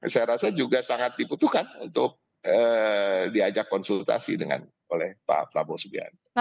saya rasa juga sangat dibutuhkan untuk diajak konsultasi oleh pak prabowo subianto